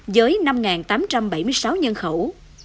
với năm tám trăm bảy mươi sáu nhân khẩu